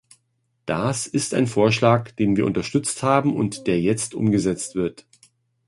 Das ist ein Vorschlag, den wir unterstützt haben und der jetzt umgesetzt wird.